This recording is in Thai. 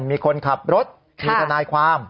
มีคนขับรถมีทนายความ